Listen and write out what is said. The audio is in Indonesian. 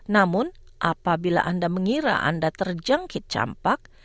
namun apabila anda mengira anda terjangkit campak